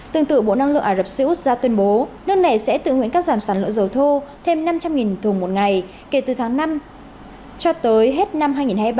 tương tự bộ năng lượng ả rập xê út ra tuyên bố nước này sẽ tự nguyện cắt giảm sản lượng dầu thô thêm năm trăm linh thùng một ngày kể từ tháng năm cho tới hết năm hai nghìn hai mươi ba